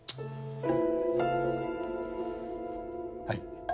はい。